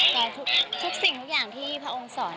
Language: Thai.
แต่ทุกสิ่งทุกอย่างที่พระองค์สอน